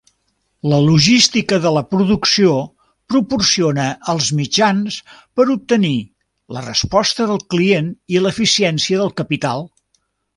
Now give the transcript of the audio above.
La logística de la producció proporciona els mitjans per obtenir la resposta del client i l'eficiència del capital.